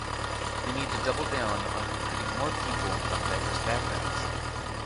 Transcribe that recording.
We need to double-down on recruiting more people from diverse backgrounds.